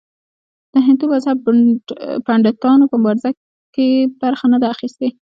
د هندو مذهب پنډتانو په مبارزو کې برخه نه ده اخیستې.